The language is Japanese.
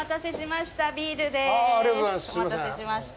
お待たせしました。